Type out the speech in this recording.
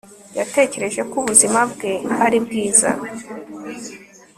yatekereje ko ubuzima bwe ari bwiza